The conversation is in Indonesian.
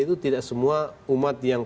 itu tidak semua umat yang